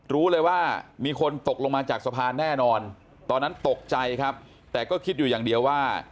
รู้เลยว่ามีคนตกลงมาจากสะพานแน่นอนตอนนั้นตกใจครับแต่ก็คิดอยู่อย่างเดียวว่า